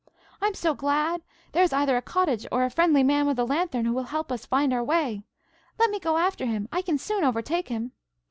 "I am so glad! There is either a cottage or a friendly man with a lanthorn who will help us to find our way. Let me go after him; I can soon overtake him."